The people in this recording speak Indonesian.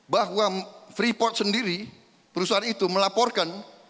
bahwa freeport sendiri perusahaan itu melaporkan